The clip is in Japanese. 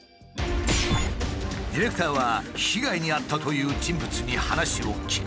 ディレクターは被害に遭ったという人物に話を聞く。